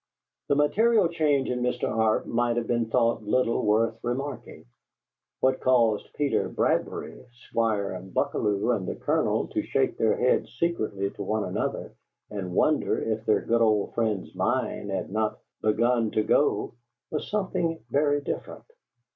The material change in Mr. Arp might have been thought little worth remarking. What caused Peter Bradbury, Squire Buckalew, and the Colonel to shake their heads secretly to one another and wonder if their good old friend's mind had not "begun to go" was something very different.